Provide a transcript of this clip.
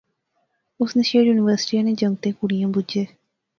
اس نے شعر یونیورسٹی نے جنگتیں کڑئیں بجے